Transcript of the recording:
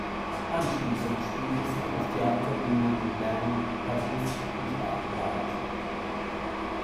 Anschließend spielte sie auf Theaterbühnen in Bern, Paris und Baden-Baden.